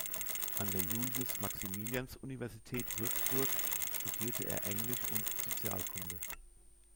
An der Julius-Maximilians-Universität Würzburg studierte er Englisch und Sozialkunde.